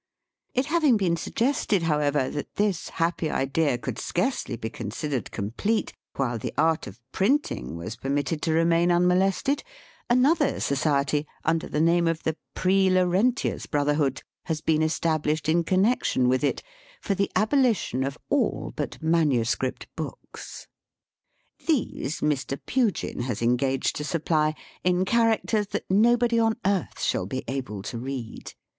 It having been suggested, however, that this happy idea could scarcely be considered complete while the ai t of print ing was permitted to remain unmolested, another society, under the name of the Pre Laurentius Brotherhood, has been established in connexion with it, for the abolition of all but manuscript books. These MR. PUGIN has engaged to supply, in characters that nobody on earth shall be able to read.